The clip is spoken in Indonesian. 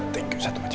thank you satu aja